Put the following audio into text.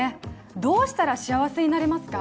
「どうしたら幸せになれますか？」